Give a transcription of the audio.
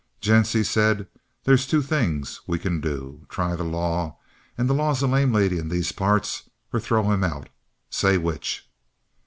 "Gents," he said, "they's two things we can do. Try the law and law's a lame lady in these parts or throw him out. Say which?"